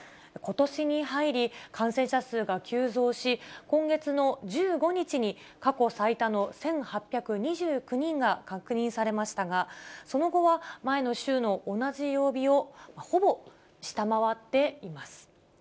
ことしに入り、感染者数が急増し、今月の１５日に過去最多の１８２９人が確認されましたが、その後は前の週の同じ曜日をほぼ下回っています。